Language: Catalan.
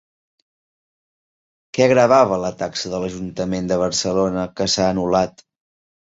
Què gravava la taxa de l'ajuntament de Barcelona que s'ha anul·lat?